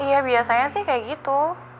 iya biasanya sih kayak gitu